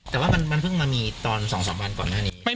แต่ว่ามันเพิ่งมามีตอน๒๓วันก่อนหน้านี้